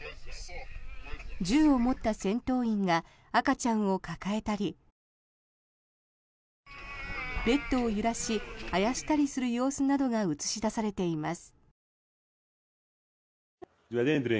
銃を持った戦闘員が赤ちゃんを抱えたりベッドを揺らしあやしたりする様子などが映し出されています。